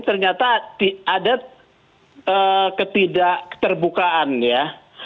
ternyata ada ketidakterbukaan ya